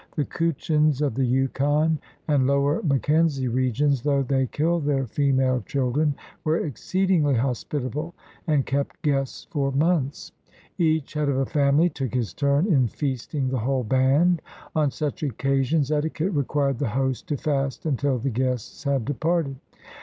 The Kutchins of the Yukon and Lower Mackenzie regions, though they killed their female children, were exceedingly hospitable and kept guests for months. Each head of a family took his turn in feasting the whole band. On such occasions eti quette required the host to fast until the guests had departed.